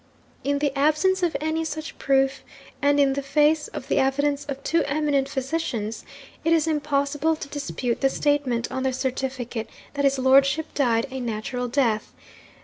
In the absence of any such proof, and in the face of the evidence of two eminent physicians, it is impossible to dispute the statement on the certificate that his lordship died a natural death.